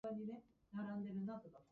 体は必死に支えている。